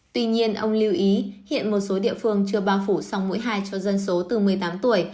tuy nhiên ông lưu ý hiện một số địa phương chưa bao phủ xong mũi hai cho dân số từ một mươi tám tuổi